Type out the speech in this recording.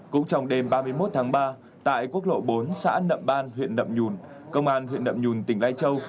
cũng trong đêm ba mươi một tháng ba tại quốc lộ bốn xã nậm ban huyện nậm nhùn công an huyện nậm nhùn tỉnh lai châu